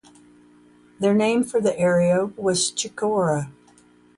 Their name for the area was "Chicora".